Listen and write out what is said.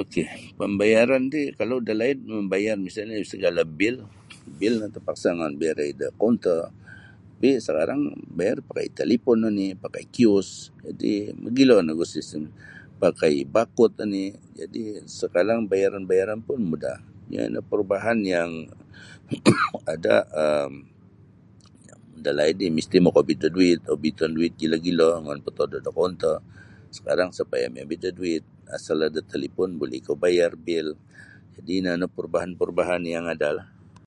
Ok pambayaran ti kalau da laid mambayar misalnya segala bil bil noh tapaksa mongoi bayarai da kaunter tapi sekarang bayar pakai talipun oni, pakai kiosk jadi magilo nogu sistem pakai barcode oni jadi sakarang bayaran-bayaran pun mudah iyo noh perubahan yang ada um dalaid ri masti makobit da duit obiton duit gilo-gilo mongoi potodo da kaunter sakarang isa payah miobit da duit asal ada talipun buli ikau bayar bil jadi ini nio perubahan-perubahan yang ada lah.